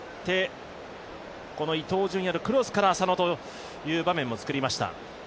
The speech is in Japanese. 伊東純也のクロスから浅野という場面も作りました。